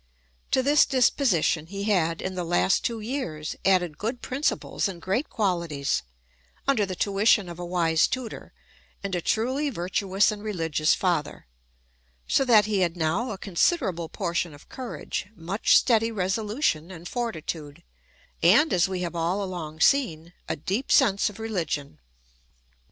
To this disposition he had, in the last two years, added good principles and great qualities, under the tuition of a wise tutor, and a truly virtuous and religious father; so that he had now a considerable portion of courage, much steady resolution and fortitude, and, as we have all along seen, a deep sense of religion.